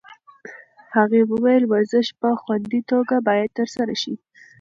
هغې وویل ورزش په خوندي توګه باید ترسره شي.